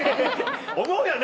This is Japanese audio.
思うよね